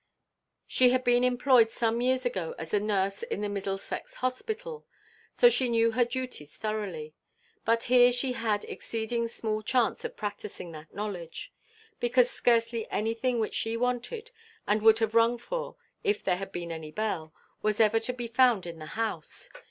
She had been employed some years ago as a nurse in the Middlesex Hospital; so she knew her duties thoroughly. But here she had exceeding small chance of practising that knowledge; because scarcely anything which she wanted, and would have rung for, if there had been any bell, was ever to be found in the house.